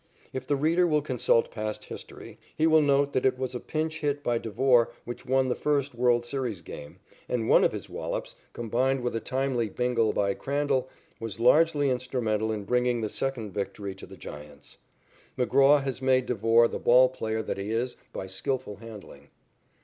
If the reader will consult past history, he will note that it was a pinch hit by Devore which won the first world series game, and one of his wallops, combined with a timely bingle by Crandall, was largely instrumental in bringing the second victory to the Giants. McGraw has made Devore the ball player that he is by skilful handling.